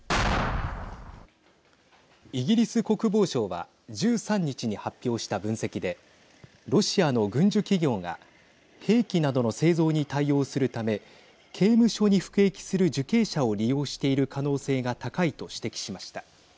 イギリス国防省は１３日に発表した分析でロシアの軍需企業が兵器などの製造に対応するため刑務所に服役する受刑者を利用している可能性が高いと指摘しました。